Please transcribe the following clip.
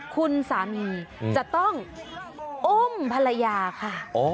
คุณสามีจะต้องอุ้มภรรยาค่ะ